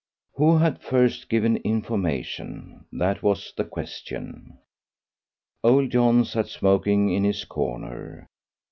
Who had first given information? That was the question. Old John sat smoking in his corner.